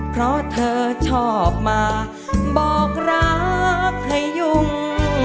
เพราะเธอชอบมาบอกรักให้ยุ่ง